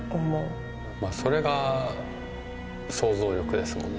まあそれが想像力ですもんね。